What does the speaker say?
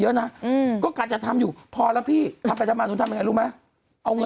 คนงายบางทีสถานแล้วเป็นอย่างตัวนี้จริงมีบางที